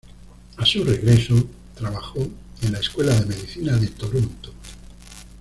A su regreso, trabajó en la Escuela de Medicina de Toronto.